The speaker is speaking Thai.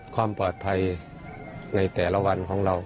ความปลอดภัยในแต่ละวันของเรา